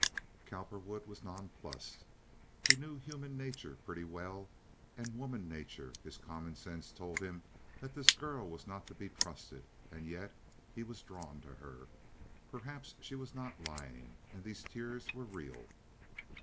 Cowperwood was nonplussed. He knew human nature pretty well, and woman nature; his common sense told him that this girl was not to be trusted, and yet he was drawn to her. Perhaps she was not lying, and these tears were real.